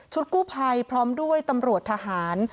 กู้ภัยพร้อมด้วยตำรวจทหาร